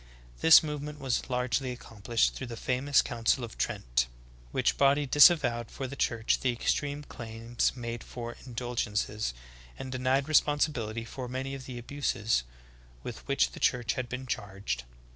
This movement was largely accom pHshed through the famous Council of Trent (1545 1563), which body disavowed for the Church the extreme claims made for "indulgences" and denied responsibility for many of the abuses with which the Church had been charged.